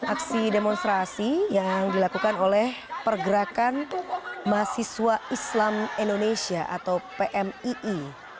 aksi demonstrasi yang dilakukan oleh pergerakan mahasiswa islam indonesia atau pmii